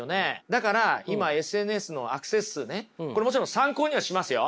だから今ＳＮＳのアクセス数ねこれもちろん参考にはしますよ。